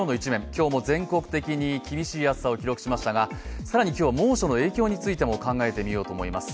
今日も全国的に厳しい暑さを記録しましたが、更に今日は猛暑の影響についても考えてみようと思います。